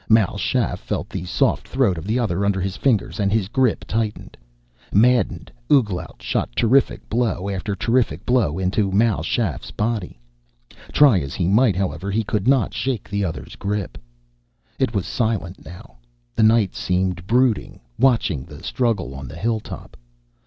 Mal Shaff felt the soft throat of the other under his fingers and his grip tightened. Maddened, Ouglat shot terrific blow after terrific blow into Mal Shaff's body. Try as he might, however, he could not shake the other's grip. It was silent now. The night seemed brooding, watching the struggle on the hilltop.